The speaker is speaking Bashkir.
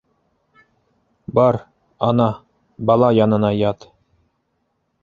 Бар, ана, бала янына ят.